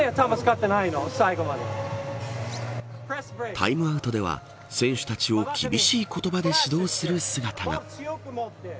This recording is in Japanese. タイムアウトでは選手たちを厳しい言葉で指導する姿が。